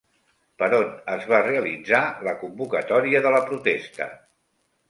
Per on es va realitzar la convocatòria de la protesta?